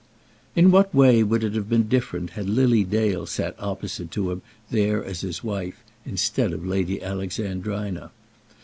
In what way would it have been different had Lily Dale sat opposite to him there as his wife, instead of Lady Alexandrina?